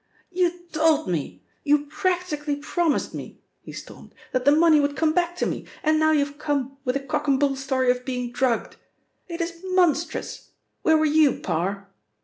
"You told me, you practically promised me," he stormed, "that the money would come back to me, and now you have come with a cock and bull story of being drugged. It is monstrous! Where were you, Parr?"